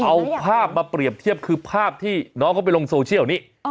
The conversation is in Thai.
เอาภาพมาเปรียบเทียบคือภาพที่น้องเขาไปลงโซเชียลนี้